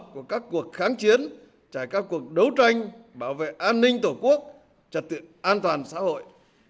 của các cuộc kháng chiến trải các cuộc đấu tranh bảo vệ an ninh tổ quốc trật tự an toàn xã hội